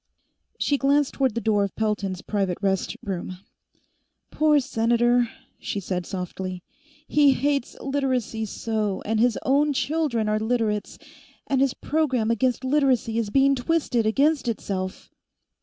She glanced toward the door of Pelton's private rest room. "Poor Senator!" she said softly. "He hates Literacy so, and his own children are Literates, and his program against Literacy is being twisted against itself!"